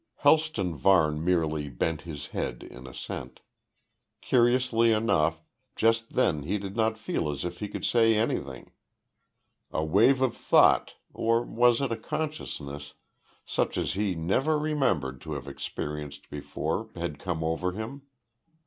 Helston Varne merely bent his head in assent. Curiously enough, just then he did not feel as if he could say anything. A wave of thought or was it a consciousness such as he never remembered to have experienced before, had come over him.